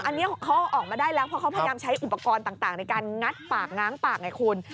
อันนี้เขาออกมาได้แล้วเพราะเขาพยายามใช้อุปกรณ์ต่างในการงัดปากง้างปากไงคุณ